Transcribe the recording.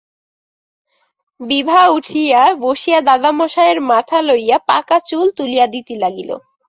বিভা উঠিয়া বসিয়া দাদামহাশয়ের মাথা লইয়া পাকা চুল তুলিয়া দিতে লাগিল।